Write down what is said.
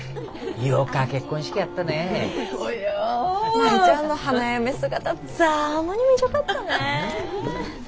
舞ちゃんの花嫁姿ざぁまにみじょかったね。